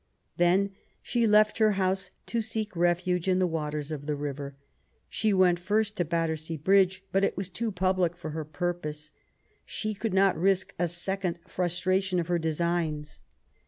Then she left her house to seek refuge in the waters of the river. She went first to Battersea Bridge ; but it was too public for her purpose. She could not risk a second frustration of her designs.